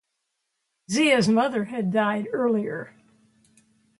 Zia's mother had died earlier.